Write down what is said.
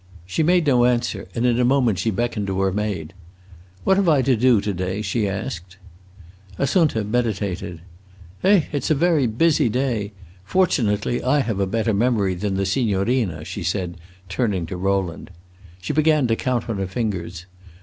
She made no answer, and in a moment she beckoned to her maid. "What have I to do to day?" she asked. Assunta meditated. "Eh, it 's a very busy day! Fortunately I have a better memory than the signorina," she said, turning to Rowland. She began to count on her fingers.